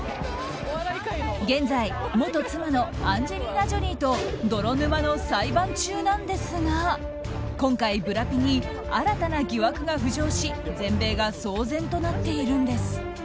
現在、元妻のアンジェリーナ・ジョリーと泥沼の裁判中なんですが今回ブラピに新たな疑惑が浮上し全米が騒然となっているんです。